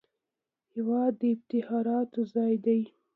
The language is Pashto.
هېواد د افتخاراتو ځای دی